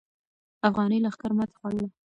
افغاني لښکر ماتې خوړله.